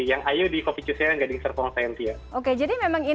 yang iu di coffee cucion yang gading serpong saya nct ya